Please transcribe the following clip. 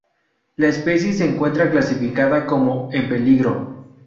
La especie se encuentra clasificada como "en peligro".